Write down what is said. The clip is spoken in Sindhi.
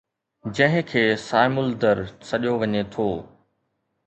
جنهن کي صائم الدر سڏيو وڃي ٿو